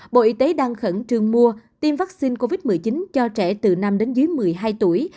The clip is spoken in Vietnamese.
bộ y tế đang khẩn trương mua tiêm vaccine covid một mươi chín cho trẻ từ năm đến dưới một mươi hai tuổi